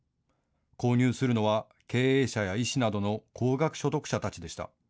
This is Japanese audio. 購入するのは経営者や医師などの高額所得者たちでした。